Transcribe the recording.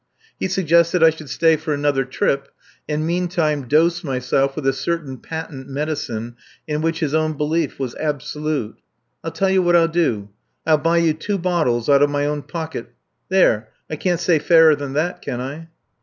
He suggested I should stay for another trip and meantime dose myself with a certain patent medicine in which his own belief was absolute. "I'll tell you what I'll do. I'll buy you two bottles, out of my own pocket. There. I can't say fairer than that, can I?"